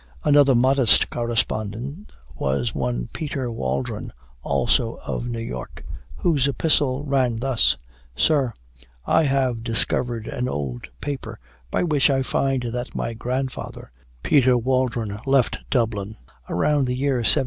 Another modest correspondent was one Peter Waldron, also of New York, whose epistle ran thus: "Sir, I have discovered an old paper, by which I find that my grandfather, Peter Waldron, left Dublin about the year 1730.